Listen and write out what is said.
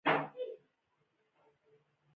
که ټول افراد په هغه وضعیت کې قرار ورکړو.